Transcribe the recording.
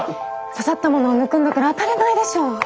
刺さったものを抜くんだから当たり前でしょう。